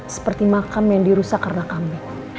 seperti makam yang dirusak karena kami